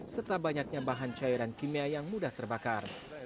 serta banyaknya bahan cairan kimia yang mudah terbakar